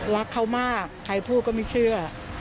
รักเขามากใครพูดก็ไม่เชื่อ